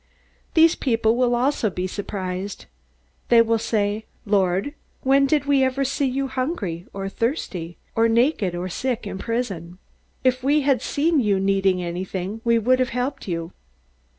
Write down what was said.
"These people will also be surprised. They will say: 'Lord, when did we ever see you hungry, or thirsty, or naked, or sick, or in prison? If we had seen you needing anything, we would have helped you!'